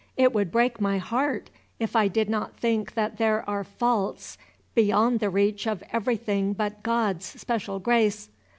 It would break my heart, if I did not think that there are faults beyond the reach of everything but God's special grace.